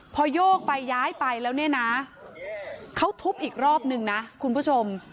พอโยกไปย้ายไปแล้วเนี่ยนะเขาทุบอีกรอบนึงนะคุณผู้ชม